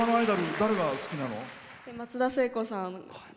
松田聖子さん。